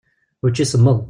Učči semmeḍ.